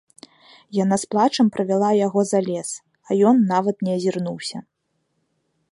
Яна з плачам правяла яго за лес, а ён нават не азірнуўся.